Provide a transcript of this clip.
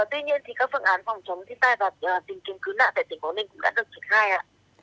tuy nhiên thì các phương án phòng chống thiên tai và tìm kiếm cứu nạn tại tỉnh quảng ninh cũng đã được triển khai ạ